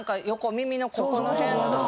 耳のここの辺とか。